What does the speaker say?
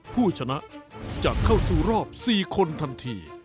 ผู้ชนะจะเข้าสู่รอบ๔คนทันที